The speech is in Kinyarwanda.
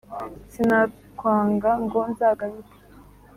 Sinakwanga ngo nzagaruke